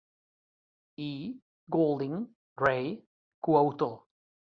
I. Goulding, Ray, coautor.